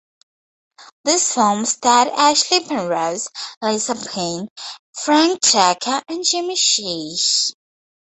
This film starred Ashley Penrose, Lisa Payne, Frank Tucker and Jamie Sheehy.